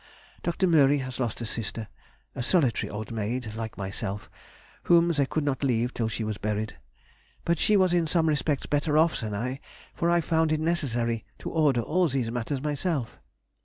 Dr. Mühry has lost a sister, a solitary old maid, like myself, whom they could not leave till she was buried. But she was in some respects better off than I, for I found it necessary to order all these matters myself.